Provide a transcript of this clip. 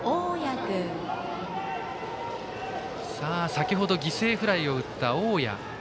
先程、犠牲フライを打った大矢。